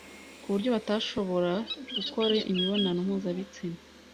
ku buryo batashobora gukora imibonano mpuzabitsina,